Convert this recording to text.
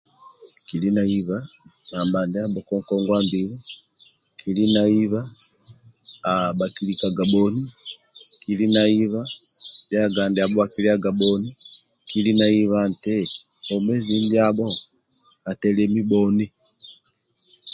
Kiki na hiba namba ndiabho kagogwabili kilinahiba bha kiesaga bhoni Kali na hiba lyaga ndiabho bha kilyaga bhoni kili nahibha bwomezi ndiabho atelemi bhoni